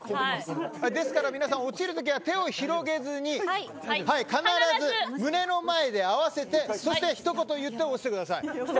ですから落ちるときは手を広げずに必ず胸の前で合わせて一言言って落ちてください。